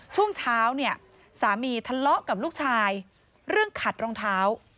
ช่วงเช้าเนี่ยสามีทะเลาะกับลูกชายเรื่องขัดรองเท้า